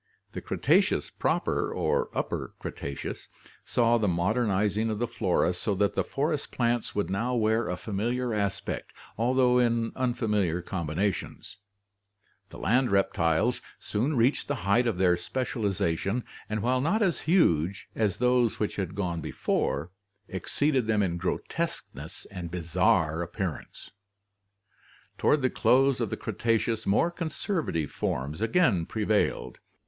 The Cretaceous proper, or Upper Cretaceous, saw the modernizing of the flora so that the forest plants would 94 ORGANIC EVOLUTION now wear a familiar aspect, although in unfamiliar combinations The land reptiles soon reached the height of their specialization and while not as huge as those which had gone before, exceeded them in grotesqueness and bizarre appearance. Toward the close of the Cretaceous more conservative forms again prevailed.